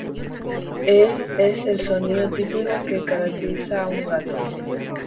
El es el sonido típico que caracteriza a un gato.